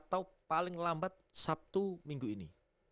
atau paling lambat sabtu minggu ini